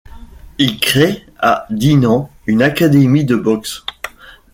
Il crée à Dinant une académie de boxe.